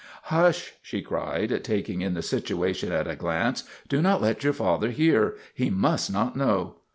; Hush !' she cried, taking in the situation at a glance. " Do not let your father hear. He must not know.